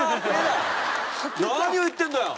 何を言ってるんだよ！